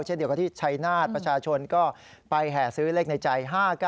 เช่นเดียวกับที่ชัยนาศประชาชนก็ไปแห่ซื้อเลขในใจ๕๙